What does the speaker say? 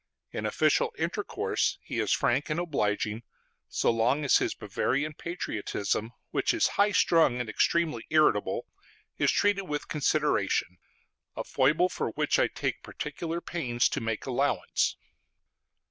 In official intercourse he is frank and obliging, so long as his [Bavarian] patriotism, which is high strung and extremely irritable, is treated with consideration; a foible for which I take particular pains to make allowance.